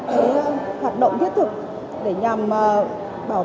giúp gia quân và tham gia các hoạt động thiết thực để nhằm bảo vệ môi trường